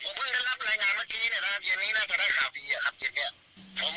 ผมเพิ่งได้รับรายงานเมื่อกี้เนี่ยนะฮะเย็นนี้น่าจะได้ข่าวดีอะครับเย็นนี้